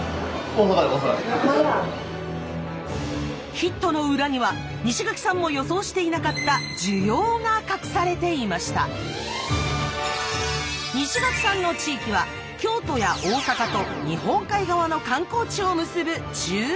ヒットの裏には西垣さんも予想していなかった西垣さんの地域は京都や大阪と日本海側の観光地を結ぶ中間地点。